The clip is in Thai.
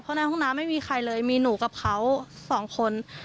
เพราะในห้องน้ำไม่มีใครเลยมีหนูกับเขาสองคน